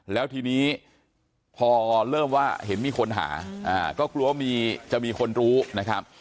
แล้วทีนี้พอเริ่มว่าเห็นมีคนหาก็กลัวจะมีคนรู้นะครับ